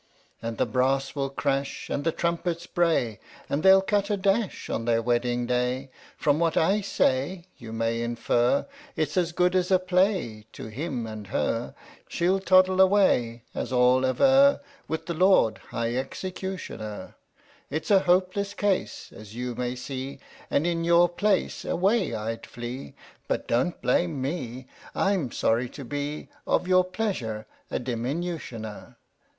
And the brass will cra^h, And the trumpets bray, And they'll cut a dash On their wedding day. From what I say you may infer It J s as good as a play to him and her; She'll toddle away as all aver, With the Lord High Executioner It's a hopeless case As you may see, And, in your place, Away I'd flee ; But don't blame me, I'm sorry to be Of your pleasure a diminutioner.